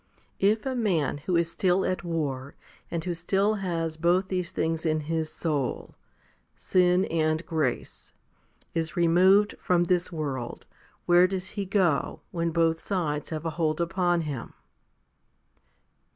If a man who is still at war, and who still has both these things in his soul sin and grace is removed from this world, where does he go, when both sides have a hold upon him